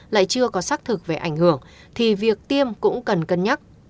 lại chưa có xác thực về ảnh hưởng thì việc tiêm cũng cần cân nhắc